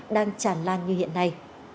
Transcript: công an tràn lan như hiện nay